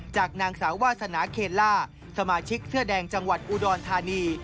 จากนางสาววาสนาเคลล่าสมาชิกเสื้อแดงจังหวัดอุดรธานี